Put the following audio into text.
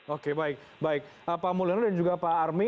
oke baik baik pak mulyono dan juga pak armi